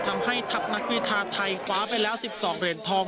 ทำให้ทัพนักวิทาไทยคว้าไปแล้ว๑๒เหรียญทอง